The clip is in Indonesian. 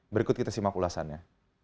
berikut kita simak ulasannya